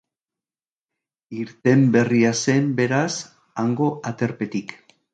Irten berria zen beraz hango aterpetik.